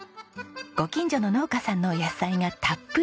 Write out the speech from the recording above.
ご近所の農家さんの野菜がたっぷり。